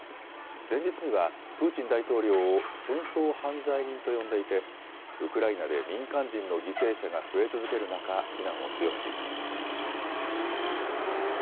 前日にはプーチン大統領を戦争犯罪人と呼んでいてウクライナで民間人の犠牲者が増え続ける中、非難を強めています。